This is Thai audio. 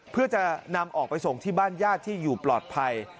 เพื่อจะนำออกไปส่งที่บ้านญาติที่อยู่ปลอดภัย